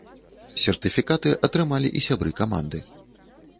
Сертыфікаты атрымалі і сябры каманды.